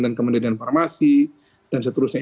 dan kemendirian farmasi dan seterusnya